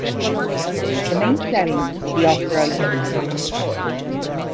The main setting will be Australia.